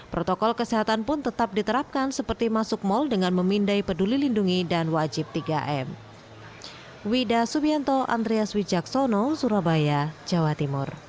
protokol kesehatan pun tetap diterapkan seperti masuk mal dengan memindai peduli lindungi dan wajib tiga m